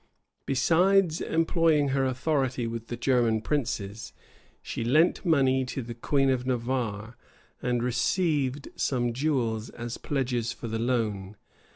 Besides employing her authority with the German princes, she lent money to the queen of Navarre, and received some jewels as pledges for the loan.